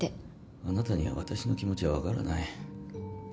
あなたには私の気持ちは分からない。